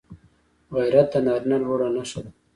غیرت د نارینه لوړه نښه ده